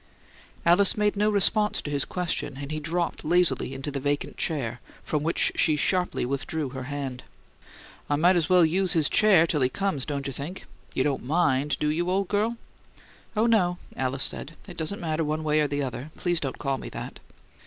Alice made no response to his question, and he dropped lazily into the vacant chair, from which she sharply withdrew her hand. "I might as well use his chair till he comes, don't you think? You don't MIND, do you, old girl?" "Oh, no," Alice said. "It doesn't matter one way or the other. Please don't call me that."